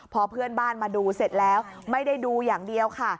พอเพื่อนบ้านมาดูเสร็จแล้วไม่ได้ดูอย่างเดียวค่ะ